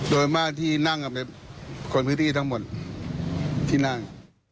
โดยมากที่นั่งกันเป็นคนพื้นที่ทั้งหมดที่นั่ง